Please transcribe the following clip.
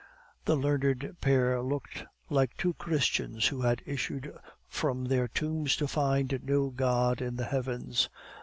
The learned pair looked like two Christians who had issued from their tombs to find no God in the heavens.